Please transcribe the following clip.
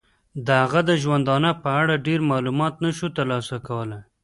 د هغه د ژوندانه په اړه ډیر معلومات نشو تر لاسه کولای.